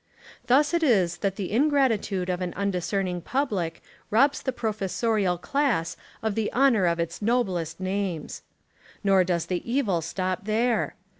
Thus it is that the ingratitude of an undiscerning public robs the professorial class of the honour of its noblest names. Nor does the evil stop there.